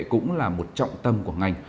cũng là một trọng tâm của ngành